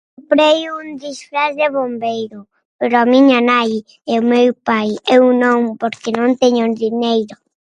Prei un disfraz de bombeiro, pero a miña nai e meu pai, eu non porque non teño dineiro.